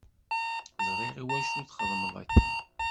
Ẓriɣ iwacu txedmeḍ akken.